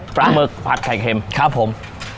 หมึกผัดไข่เค็มครับผม